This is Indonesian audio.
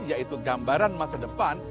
yaitu gambaran masa depan